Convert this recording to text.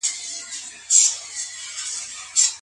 آیا د خوب ځايونه بايد سره بيل سي؟